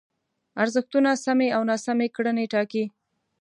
ارزښتونه سمې او ناسمې کړنې ټاکي.